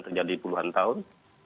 terjadi puluhan tahun